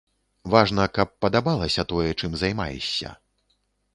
Важна, каб падабалася тое, чым займаешся.